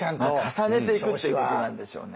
重ねていくっていうことなんでしょうね。